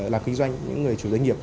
làm kinh doanh những người chủ doanh nghiệp